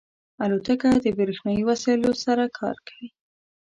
الوتکه د بریښنایی وسایلو سره کار کوي.